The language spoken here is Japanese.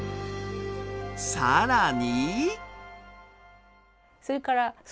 さらに！